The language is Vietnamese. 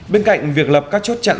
bên cạnh việc lập các chốt trận